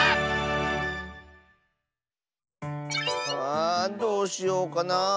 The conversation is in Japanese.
あどうしようかなあ。